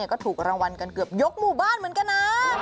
ก็ถูกรางวัลกันเกือบยกหมู่บ้านเหมือนกันนะ